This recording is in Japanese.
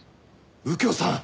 右京さん！